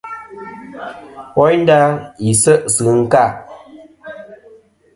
Woynda, yi se' sɨ ɨnka.